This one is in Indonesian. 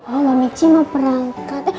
oh mbak mici mau perangkat